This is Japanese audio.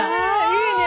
いいね。